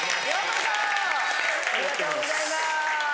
ありがとうございます。